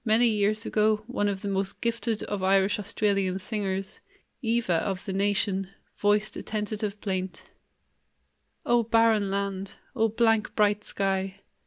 Many years ago one of the most gifted of Irish Australian singers, "Eva"' of the Nation, voiced a tentative plaint: "O barren land! O blank, bright sky!